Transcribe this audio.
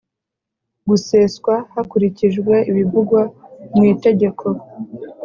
guseswa hakurikijwe ibivugwa mu Itegeko